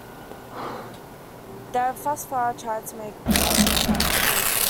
They have thus far to make much impact politically.